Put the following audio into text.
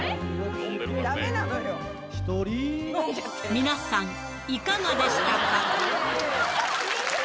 皆さん、いかがでしたか？